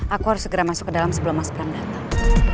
aku harus segera masuk ke dalam sebelum mas bram datang